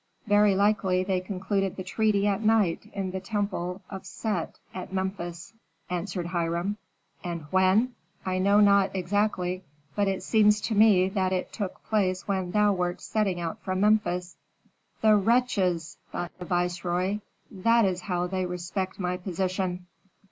"Very likely they concluded the treaty at night in the temple of Set at Memphis," answered Hiram. "And when? I know not exactly, but it seems to me that it took place when thou wert setting out from Memphis." "The wretches!" thought the viceroy. "That is how they respect my position!